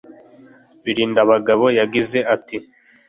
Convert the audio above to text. Birindabagabo yagize ati